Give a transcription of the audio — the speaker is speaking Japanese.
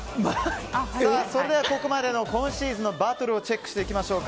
それでは、ここまでの今シーズンのバトルをチェックしましょう。